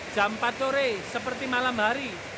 jam empat sore seperti malam hari